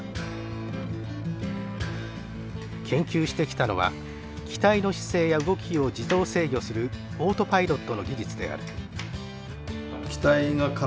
研究してきたのは機体の姿勢や動きを自動制御するオートパイロットの技術である。